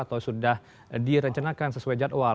atau sudah direncanakan sesuai jadwal